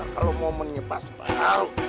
kalau momennya pas baru